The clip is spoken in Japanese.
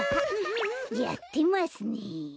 やってますね。